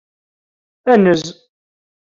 Anez!